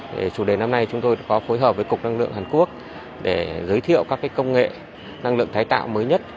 về chủ đề năm nay chúng tôi có phối hợp với cục năng lượng hàn quốc để giới thiệu các công nghệ năng lượng tái tạo mới nhất